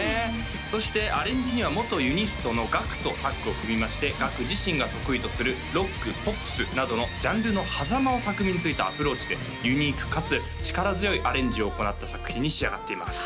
そしてアレンジには元ＵＮＩＳＴのＧＡＫＵとタッグを組みましてＧＡＫＵ自身が得意とするロックポップスなどのジャンルのはざまを巧みについたアプローチでユニークかつ力強いアレンジを行った作品に仕上がっています